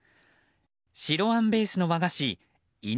白あんベースの和菓子稲